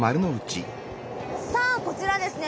さあこちらですね